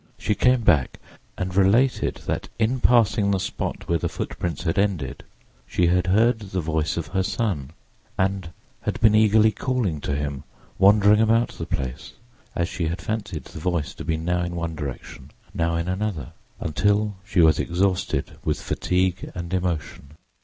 She came back and related that in passing the spot where the footprints had ended she had heard the voice of her son and had been eagerly calling to him, wandering about the place, as she had fancied the voice to be now in one direction, now in another, until she was exhausted with fatigue and emotion.